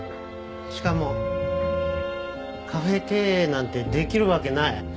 しかもカフェ経営なんてできるわけない。